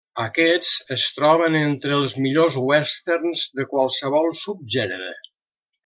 Aquests es troben entre els millors Westerns de qualsevol subgènere.